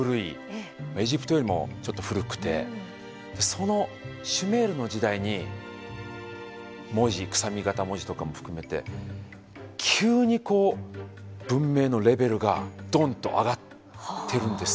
エジプトよりもちょっと古くてそのシュメールの時代に文字くさび形文字とかも含めて急にこう文明のレベルがドンッと上がってるんですよ。